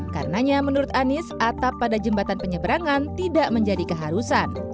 karenanya menurut anies atap pada jembatan penyeberangan tidak menjadi keharusan